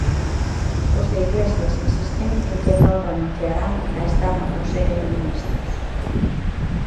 Os de Iglesias insisten en que non renunciarán a estar no Consello de Ministros.